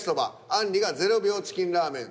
あんりが「０秒チキンラーメン」。